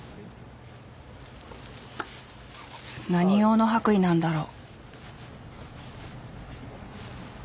何用の白衣なんだろう？